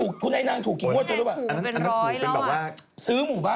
เอ่อคุณไอ้นางถูกกี่งวดจริงรู้ปะ